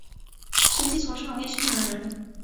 实际从事农业生产的人